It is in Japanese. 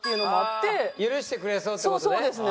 許してくれそうって事ね。